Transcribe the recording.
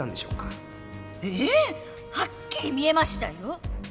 ええ。はっきり見えましたよ。